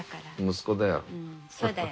息子だよ。